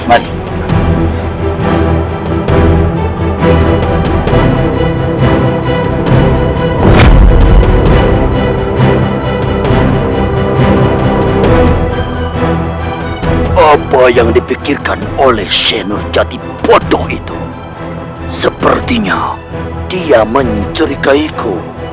apa yang dipikirkan oleh senur jati bodoh itu sepertinya dia menjerikaiku